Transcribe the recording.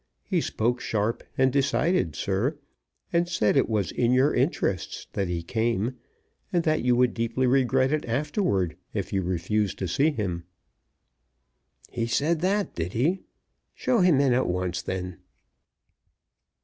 He spoke sharp and decided, sir, and said it was in your interests that he came, and that you would deeply regret it afterward if you refused to see him." "He said that, did he? Show him in at once, then."